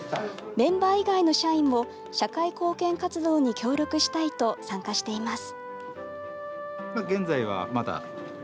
メンバー以外の社員も社会貢献活動に協力したいと参加しています。